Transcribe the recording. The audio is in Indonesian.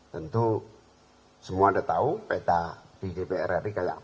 tentu semua udah tahu peta di dpr ri kayak apa